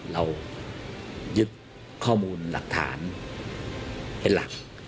เรายึดข้อมูลหลักฐานเป็นหลัก